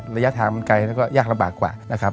ระยะทางมันไกลแล้วก็ยากลำบากกว่านะครับ